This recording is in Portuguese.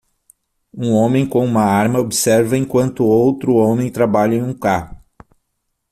Um homem com uma arma observa enquanto outro homem trabalha em um carro.